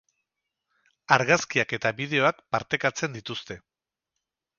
Argazkiak eta bideoak partekatzen dituzte.